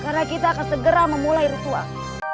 karena kita akan segera memulai ritual